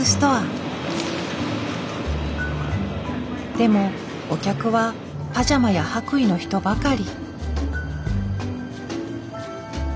でもお客はパジャマや白衣の人ばかり。